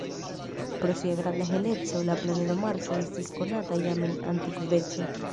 Pro sia granda heleco la planedo Marso estis konata jam en antikveco.